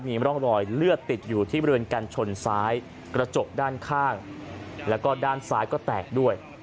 มีร่องรอยเลือดติดอยู่ที่บริเวณกันชนซ้ายกระจกด้านข้างแล้วก็ด้านซ้ายก็แตกด้วย